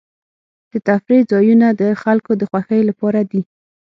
د تفریح ځایونه د خلکو د خوښۍ لپاره دي.